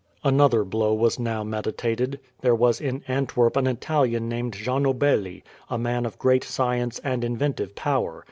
Another blow was now meditated. There was in Antwerp an Italian named Gianobelli, a man of great science and inventive power.